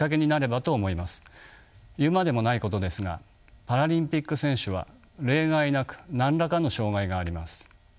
言うまでもないことですがパラリンピック選手は例外なく何らかの障がいがあります。